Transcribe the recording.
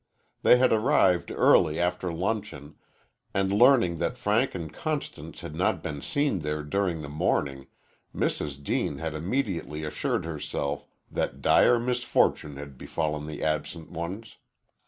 They had arrived early after luncheon, and learning that Frank and Constance had not been seen there during the morning, Mrs. Deane had immediately assured herself that dire misfortune had befallen the absent ones.